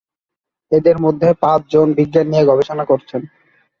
এদের মধ্যে পাঁচ জন বিজ্ঞান বিষয়ে গবেষণা করছেন।